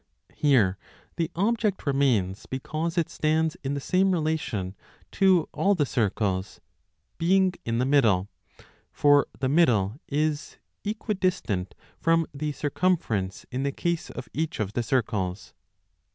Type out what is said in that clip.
Here the object remains because it stands in the same relation to all the circles, being in the middle ; for the middle is equidistant from the circumference in the case of each of the circles.